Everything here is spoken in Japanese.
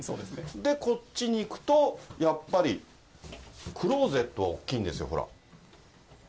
で、こっちに行くと、やっぱりクローゼットは大きいんですよ、ほら。